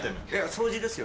掃除ですよ